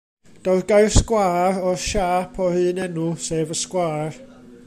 Daw'r gair sgwâr o'r siâp o'r un enw, sef y sgwâr.